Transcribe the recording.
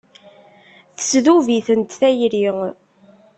Tesdub-itent tayri.